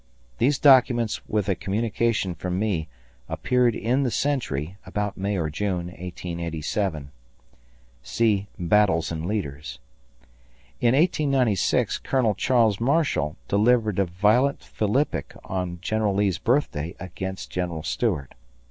These documents with a communication from me appeared in the Century about May or June, 1887. See "Battles and Leaders." ... In 1896 Colonel Charles Marshall delivered a violent philippic on General Lee's birthday against General Stuart.